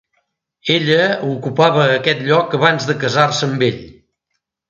Ella ocupava aquest lloc abans de casar-se amb ell.